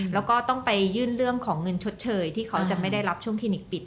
แล้วก็ต้องไปยื่นเรื่องของเงินชดเชยที่เขาจะไม่ได้รับช่วงคลินิกปิด